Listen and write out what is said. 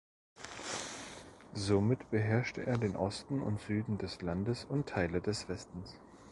Somit beherrschte er den Osten und Süden des Landes und Teile des Westens.